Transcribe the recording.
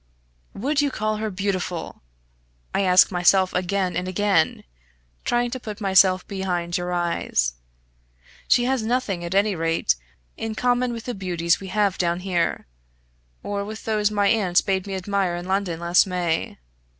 "Would you call her beautiful? I ask myself again and again, trying to put myself behind your eyes. She has nothing, at any rate, in common with the beauties we have down here, or with those my aunt bade me admire in London last May.